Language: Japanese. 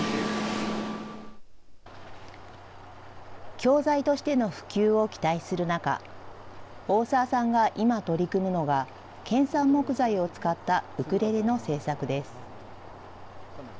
教材としての普及を期待する中、大澤さんが今取り組むのが、県産木材を使ったウクレレの製作です。